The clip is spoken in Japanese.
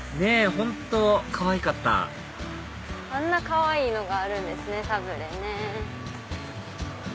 本当かわいかったあんなかわいいのがあるんですねサブレ。